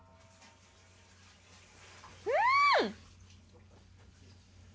うん！